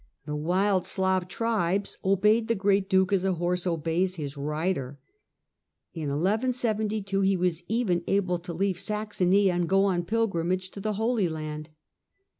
The wild Slav tribes obeyed the great duke as a horse obeys his rider. In 1172 he was even able to leave Saxony and to go on pilgrimage to the Holy Land.